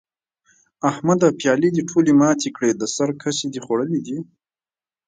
احمده؛ پيالې دې ټولې ماتې کړې؛ د سر کسي دې خوړلي دي؟!